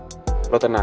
dia mulai terjodoh